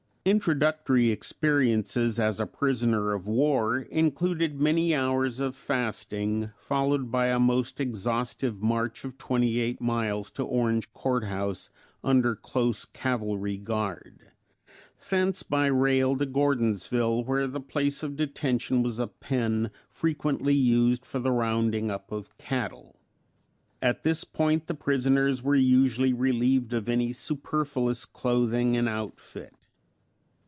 Introductory experiences as a prisoner of war included many hours of fasting, followed by a most exhaustive march of twenty eight miles to Orange Courthouse under close cavalry guard; thence by rail to Gordonsville, where the place of detention was a pen frequently used for the rounding up of cattle. At this point the prisoners were usually relieved of any superfluous clothing and outfit.